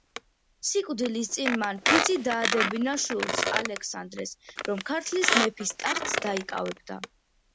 სიკვდილის წინ მან ფიცი დაადებინა შვილს, ალექსანდრეს, რომ ქართლის მეფის ტახტს დაიკავებდა.